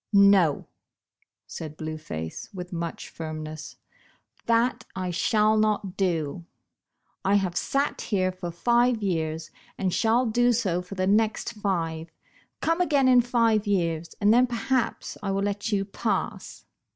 "No," said Blue Face, with much firmness, " that I shall not do. I have sat here for five years, and shall do so for the next five. Come again in five years, and then perhaps I will let you pass."